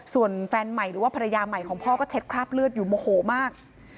ส่วนแฟนใหม่หรือว่าภรรยาใหม่ของพ่อก็เช็ดคราบเลือดอยู่โมโหมาก